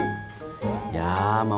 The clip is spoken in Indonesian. ya mau ngejalan